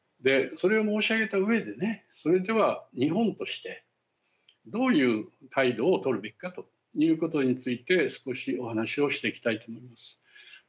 それを申し上げたうえでそれでは日本としてどういう態度をとるべきかということについて少しお話をしていきたいと思います。